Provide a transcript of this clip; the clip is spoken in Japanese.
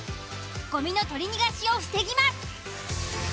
ゴミの取り逃がしを防ぎます。